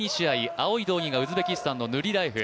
青い道着がウズベキスタンのヌリラエフ。